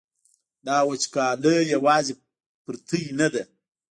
دا وچکالي یوازې په تاسې نه ده.